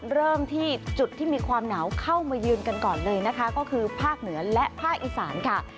เริ่มที่จุดที่มีความหนาวเข้ามายืนกันก่อนเลยนะคะก็คือภาคเหนือและภาคอีสานค่ะ